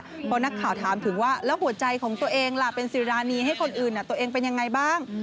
เพราะนักข่าวถามถึงว่าแล้วหัวใจของตัวเองล่ะเป็นสิรานีให้คนอื่นตัวเองเป็นยังไงบ้าง